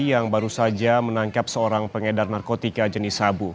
yang baru saja menangkap seorang pengedar narkotika jenis sabu